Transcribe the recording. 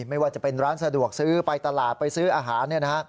ไม่ว่าจะเป็นร้านสะดวกซื้อไปตลาดไปซื้ออาหาร